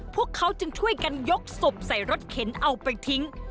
พวกเขาจึงช่วยกันยกศพใส่รถเข็นเอาไปทิ้ง